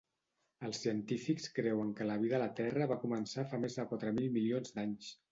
Els científics creuen que la vida a la terra va començar fa més de quatre mil milions d'anys.